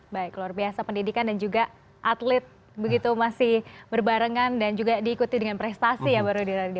baik luar biasa pendidikan dan juga atlet begitu masih berbarengan dan juga diikuti dengan prestasi yang baru diraih